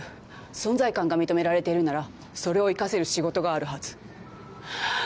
存在感が認められているならそれを生かせる仕事があるはず。